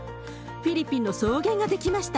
フィリピンの草原が出来ました。